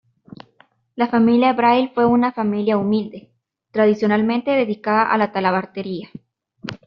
La familia Braille fue una familia humilde, tradicionalmente dedicada a la talabartería.